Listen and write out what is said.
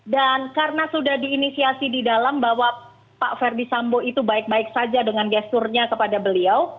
dan karena sudah diinisiasi di dalam bahwa pak ferdisambo itu baik baik saja dengan gesturnya kepada beliau